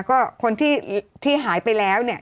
ก็คนที่หายไปแล้วเนี่ย